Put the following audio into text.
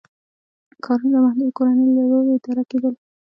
ښارونه د محدودو کورنیو له لوري اداره کېدل.